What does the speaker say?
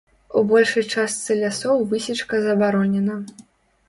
У большай частцы лясоў высечка забаронена.